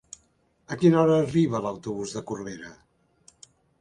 A quina hora arriba l'autobús de Corbera?